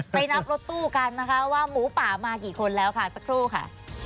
นับรถตู้กันนะคะว่าหมูป่ามากี่คนแล้วค่ะสักครู่ค่ะ